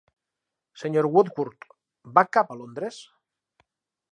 Sr. Woodcourt, va cap a Londres?